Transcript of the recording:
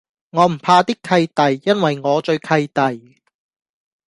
我唔怕啲契弟，因為我最契弟